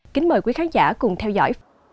kính mời quý khán giả cùng theo dõi